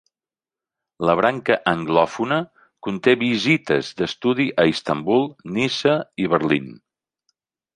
La branca anglòfona conté visites d'estudi a Istanbul, Niça i Berlín.